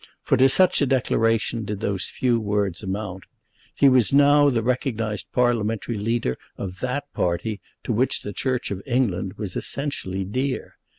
For to such a declaration did those few words amount. He was now the recognised parliamentary leader of that party to which the Church of England was essentially dear.